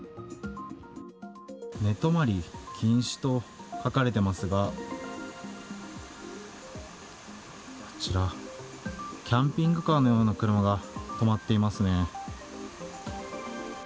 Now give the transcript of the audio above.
寝泊まり禁止と書かれていますがキャンピングカーのような車が止まっていますね。